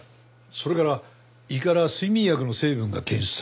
それから胃から睡眠薬の成分が検出された。